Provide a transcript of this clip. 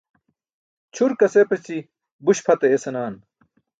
Ćʰurkas epaći buś pʰat aye senaaan.